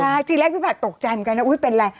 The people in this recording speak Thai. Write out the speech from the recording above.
ใช่ทีแรกพี่ผัดตกใจเหมือนกันนะอุ๊ยเป็นอะไร